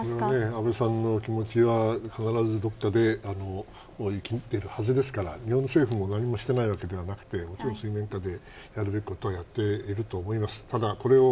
安倍さんの気持ちが変わらずどこかで生きているはずですから日本の政府も何もしていないわけじゃなくやるべきことをやってると思います。